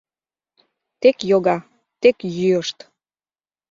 Тек йога, тек йӱышт...